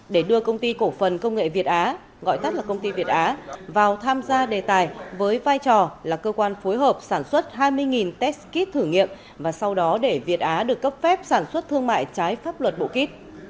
để đưa công ty cổ phần công nghệ việt á vào tham gia đề tài với vai trò là cơ quan phối hợp sản xuất hai mươi test kít thử nghiệm và sau đó để việt á được cấp phép sản xuất thương mại trái pháp luật bộ kít